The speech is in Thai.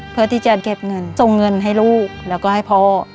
เพื่อที่จะเก็บเงินส่งเงินให้ลูกแล้วก็ให้พ่อ